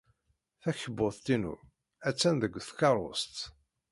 Takebbuḍt-inu attan deg tkeṛṛust.